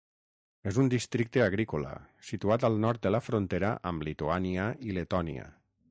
És un districte agrícola, situat al nord de la frontera amb Lituània i Letònia.